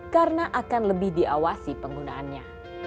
karena akan lebih diawasi penggunaannya